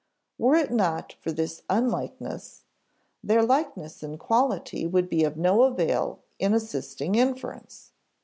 Were it not for this unlikeness, their likeness in quality would be of no avail in assisting inference.